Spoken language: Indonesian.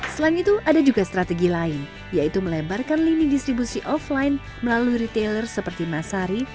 selain itu ada juga strategi lain yaitu melebarkan lini distribusi offline melalui retailer seperti masari